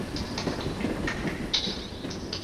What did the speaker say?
结肾形核果。